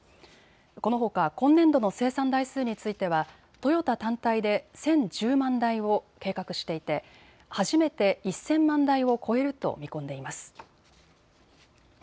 このほか今年度の生産台数についてはトヨタ単体で１０１０万台を計画していて初めて１０００万台を超えると見込んでいます。